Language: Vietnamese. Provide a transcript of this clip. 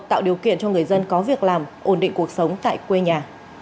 tạo điều kiện cho người dân có việc làm ổn định cuộc sống tại quê nhà